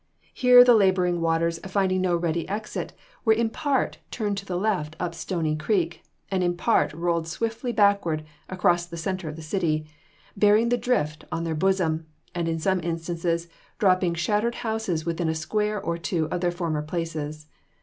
Here the laboring waters finding no ready exit, were in part turned to the left up Stony Creek, and in part rolled swiftly backward across the center of the city, bearing the drift on their bosom, and in some instances dropping shattered houses within a square or two of their former places.